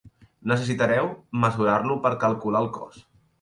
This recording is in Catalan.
Necessitareu mesurar-lo per calcular el cost.